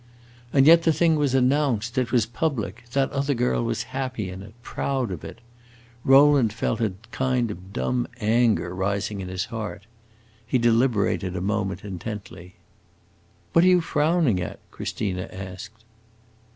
And yet the thing was announced, it was public; that other girl was happy in it, proud of it. Rowland felt a kind of dumb anger rising in his heart. He deliberated a moment intently. "What are you frowning at?" Christina asked.